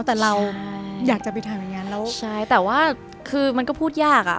แต่เราอยากจะไปถ่ายวัยงั้นใช่แต่ว่าคือมันก็พูดยากอะ